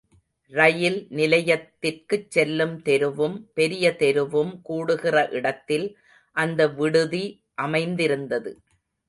ரயில் நிலையத்திற்குச்செல்லும் தெருவும் பெரிய தெருவும் கூடுகிற இடத்தில் அந்த விடுதி அமைந்திருந்தது.